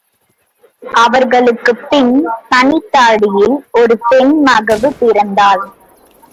அவர்களுக்குப்பின் தனித்தாழியில் ஒரு பெண் மகவு பிறந்தாள்.